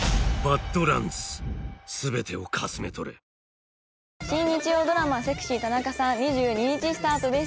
ニトリ新日曜ドラマ『セクシー田中さん』２２日スタートです。